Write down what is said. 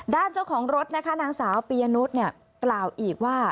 ด้านเจ้าของรถนางสาวปียนุษย์กล่าวอีกว่า